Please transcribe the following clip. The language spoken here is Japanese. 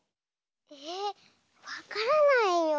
ええわからないよ。